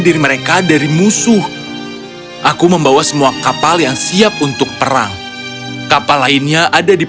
diri mereka dari musuh aku membawa semua kapal yang siap untuk perang kapal lainnya ada di